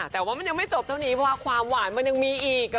แต่ว่ามันยังไม่จบเท่านี้เพราะว่าความหวานมันยังมีอีก